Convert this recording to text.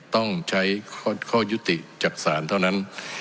ต้องใช้ข้อยุติจากศาลเท่านั้น